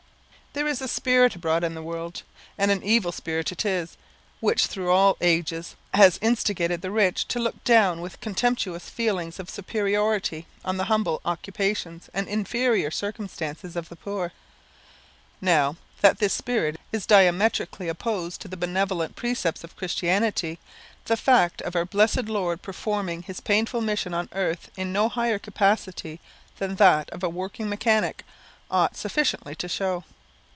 There is a spirit abroad in the world and an evil spirit it is which through all ages has instigated the rich to look down with contemptuous feelings of superiority on the humble occupations and inferior circumstances of the poor. Now, that this spirit is diametrically opposed to the benevolent precepts of Christianity, the fact of our blessed Lord performing his painful mission on earth in no higher capacity than that of a working mechanic, ought sufficiently to show.